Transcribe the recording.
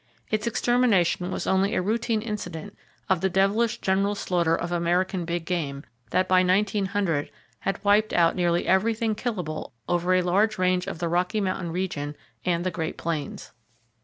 Its extermination was only a routine incident of the devilish general slaughter of American big game that by 1900 had wiped out nearly everything killable over a large portion of the Rocky Mountain region and the Great Plains.